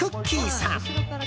さん。